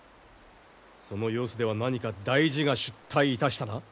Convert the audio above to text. その様子では何か大事が出来いたしたな？